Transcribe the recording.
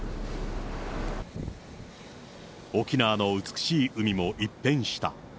沖縄の美しい海も一変した。